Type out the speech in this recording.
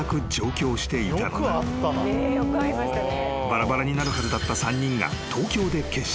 ［ばらばらになるはずだった３人が］